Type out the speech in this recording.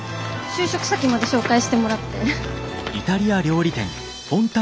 就職先まで紹介してもらって。